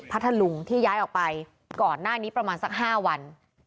พัทธลุงที่ย้ายออกไปก่อนหน้านี้ประมาณสัก๕วัน